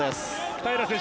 平良選手